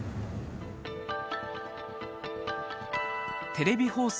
テレビ放送